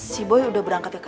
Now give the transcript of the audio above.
si boy udah berangkat ke